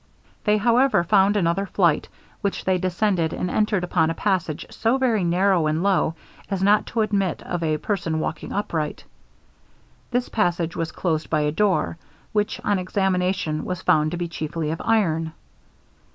They, however, found another flight, which they descended and entered upon a passage so very narrow and low, as not to admit of a person walking upright. This passage was closed by a door, which on examination was found to be chiefly of iron.